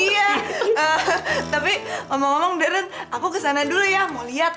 iya tapi omong omong darren aku kesana dulu ya mau lihat